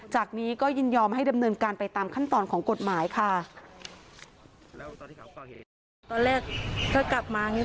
จากนี้ก็ยินยอมให้ดำเนินการไปตามขั้นตอนของกฎหมายค่ะ